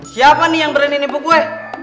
siapa nih yang berenin ibu gue